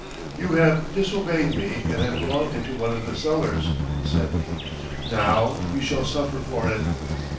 "You have disobeyed me and have gone into one of the cellars," said he. "Now you shall suffer for it!"